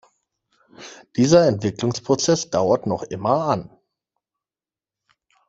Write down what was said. Dieser Entwicklungsprozess dauert noch immer an.